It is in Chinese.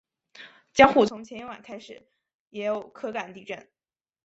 江户从前一晚开始也有可感地震。